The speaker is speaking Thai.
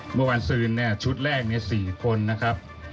เมื่อคืนซืนเนี่ยชุดแรก๔คนนะครับ